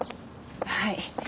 はい。